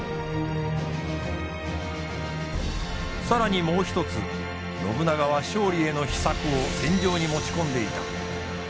更にもう一つ信長は勝利への秘策を戦場に持ち込んでいた。